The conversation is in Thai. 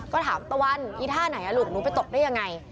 ก็ถามตะวันอีท่าไหนลูกหนูไปตบได้ยังไง